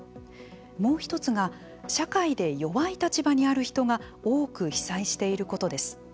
もうひとつが社会で弱い立場にある人が多く被災していることです。